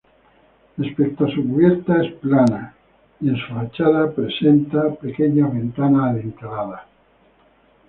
Respecto a su cubierta, es plan y en su fachada presenta pequeñas ventanas adinteladas.